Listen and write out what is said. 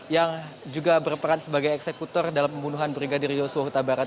yang juga berperan sebagai eksekutor dalam pembunuhan brigadir yosua huta barat